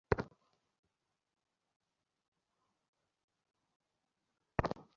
এই তত্ত্ব অবগত হইয়া সকলের প্রতি সহানুভূতিসম্পন্ন হও।